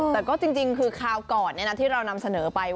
แต่ก็จริงคือคราวก่อนที่เรานำเสนอไป